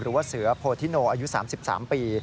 หรือว่าเสือโพธิโนอายุ๓๓ปี